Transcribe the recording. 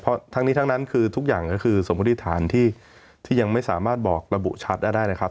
เพราะทั้งนี้ทั้งนั้นคือทุกอย่างก็คือสมมติฐานที่ยังไม่สามารถบอกระบุชัดได้นะครับ